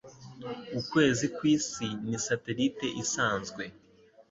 Ukwezi kwisi ni satelite isanzwe.